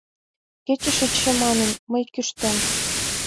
Кече шичше манын, мый кӱштем.